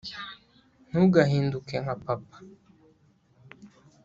ntugahinduke nka papa,